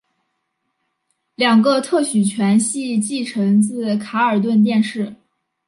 两个特许权系继承自卡尔顿电视。